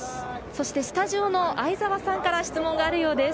そしてスタジオの相澤さんから質問があるようです。